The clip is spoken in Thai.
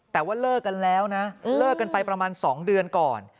แต่ว่าเลิกกันแล้วนะเลิกกันไปประมาณ๒เดือนก่อน